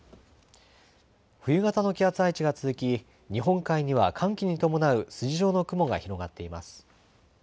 冬型の気圧配置が続き日本海には寒気に伴う筋状の雲が広がっています。